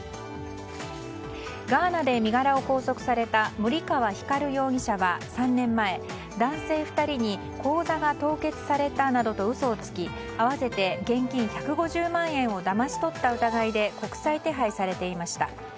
ガーナで身柄を拘束された森川光容疑者は３年前男性２人に口座が凍結されたなどと嘘をつき合わせて現金１５０万円をだまし取った疑いで国際手配されていました。